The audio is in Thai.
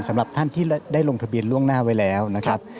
สำหรับท่านที่ได้ลงทะเบียนล่วงหน้าไว้แล้วนะครับ